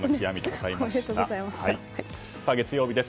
月曜日です。